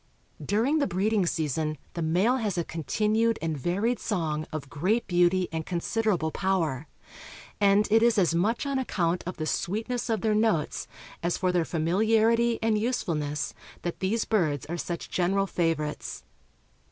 During the breeding season the male has a continued and varied song of great beauty and considerable power; and it is as much on account of the sweetness of their notes as for their familiarity and usefulness that these birds are such general favorites.